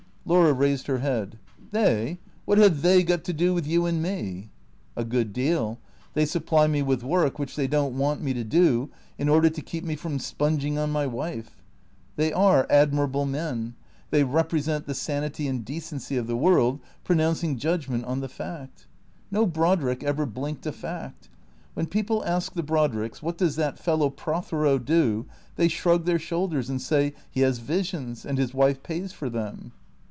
Laura raised her head. "They? What have they got to do with you and me ?"" A good deal. They supply me with work, which they don't want me to do, in order to keep me from sponging on my wife. They are admirable men. They represent the sanity and de cency of the world pronouncing judgment on the fact. No Brod rick ever blinked a fact. When people ask the Brodricks, What does that fellow Prothero do? they shrug their shoulders and say, ' He has visions, and his wife pays for them.'